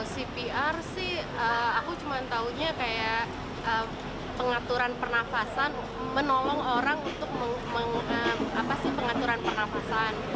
cpr sih aku cuma tahunya kayak pengaturan pernafasan menolong orang untuk pengaturan pernafasan